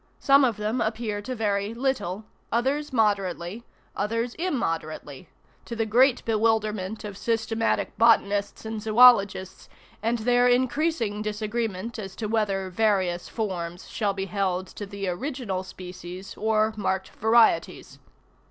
Some of them appear to vary little, others moderately, others immoderately, to the great bewilderment of systematic botanists and zoologists, and their increasing disagreement as to whether various forms shall be held to be original species or marked varieties.